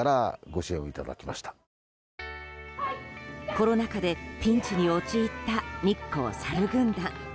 コロナ禍でピンチに陥った日光さる軍団。